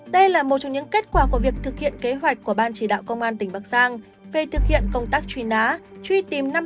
đây là một trong những kết quả của việc thực hiện kế hoạch của ban chỉ đạo công an tỉnh bắc giang về thực hiện công tác trùy ná truy tìm năm hai nghìn hai mươi bốn